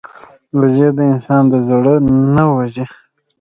وزې د انسان د زړه نه نه وځي